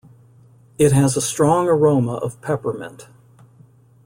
It has a strong aroma of peppermint.